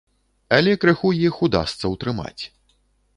Але крыху іх удасца ўтрымаць.